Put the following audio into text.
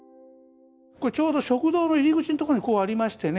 これちょうど食道の入り口んところにこうありましてね